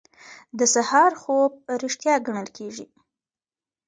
د سهار خوب ریښتیا ګڼل کیږي.